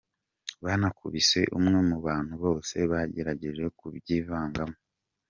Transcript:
Banakubise umwe mu bantu bose bagerageje kubyivangamo.